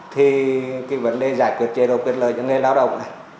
thì cái vấn đề giải quyết chế độ quyền lợi cho người lao động này